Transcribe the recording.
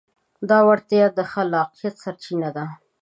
دا وړتیا د خلاقیت سرچینه ده.